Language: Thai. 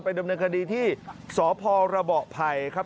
ดำเนินคดีที่สพระเบาะไผ่ครับ